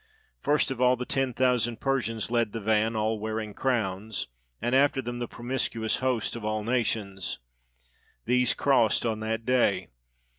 First of all, the ten thousand Persians led the van, all wearing crowns, and after them the promiscuous host of all nations. These crossed on that day.